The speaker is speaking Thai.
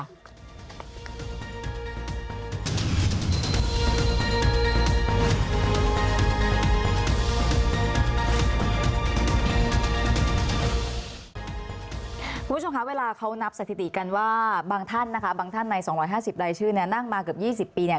คุณผู้ชมคะเวลาเขานับสถิติกันว่าบางท่านนะคะบางท่านใน๒๕๐รายชื่อเนี่ยนั่งมาเกือบ๒๐ปีเนี่ย